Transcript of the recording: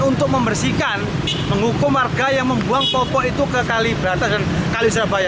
untuk membersihkan menghukum warga yang membuang popok itu ke kali brata dan kali surabaya